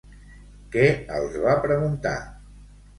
Què els va preguntar?